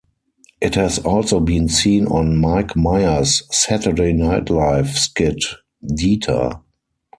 It has also been seen on Mike Myers "Saturday Night Live" skit "Dieter".